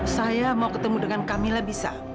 saya mau ketemu dengan camilla bisa